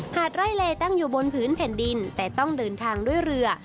ไร่เลตั้งอยู่บนพื้นแผ่นดินแต่ต้องเดินทางด้วยเรือ